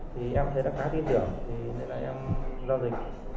thì em thấy đã khá tin tưởng vì là em lo gì